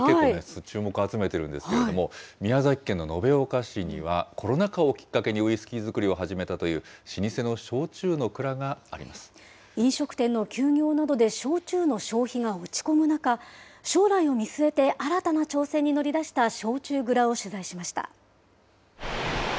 注目を集めてるんですけれども、宮崎県の延岡市には、コロナ禍をきっかけにウイスキー造りを始めたという老舗の焼酎の飲食店の休業などで焼酎の消費が落ち込む中、将来を見据えて新たな挑戦に乗り出した焼酎蔵を取材しました。